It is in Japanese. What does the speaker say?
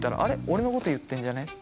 俺のこと言ってんじゃね？とか。